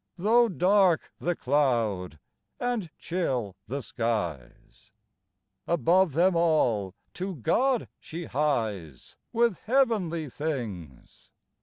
Though dark the cloud, and chill the skies, Above them all to God she hies With heavenly things.